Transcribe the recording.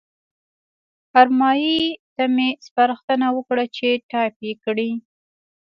ارمایي ته مې سپارښتنه وکړه چې ټایپ یې کړي.